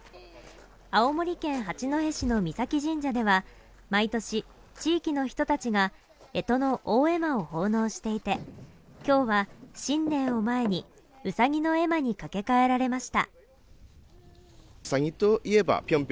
青森県八戸市の御崎神社では毎年、地域の人たちがえとの大絵馬を奉納していて今日は新年をまえにうさぎの絵馬にかけかえられました。